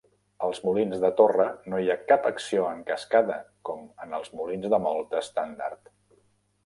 Als molins de torre no hi ha cap acció en cascada com en els molins de molta estàndard.